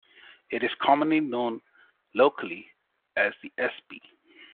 It is commonly known locally as "The Espy".